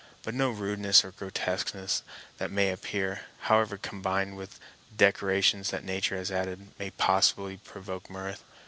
But no rudeness or grotesqueness that may appear, however combined with the decorations that nature has added, may possibly provoke mirth.